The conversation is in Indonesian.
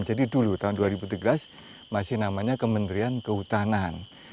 jadi dulu tahun dua ribu tiga belas masih namanya kementerian kehutanan